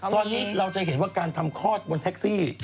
ตอนนี้เราจะเห็นว่าการทำคลอดบนแท็กซี่